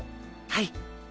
はい。